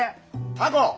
タコ！